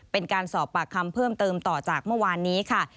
เป็นการสอบปากคำเพิ่มเติมต่อจากเมื่อวานนี้ค่ะ